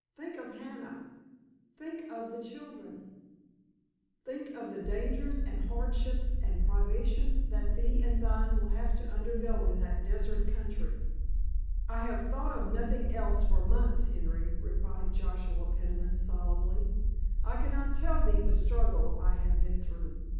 Think of Hannah—think of the children—think of the dangers and the hardships and privations that thee and thine will have to undergo in that desert country——" "I have thought of nothing else for months, Henry," replied Joshua Peniman solemnly. "I cannot tell thee the struggle I have been through.